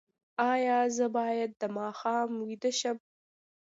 ایا زه باید د ماښام ویده شم؟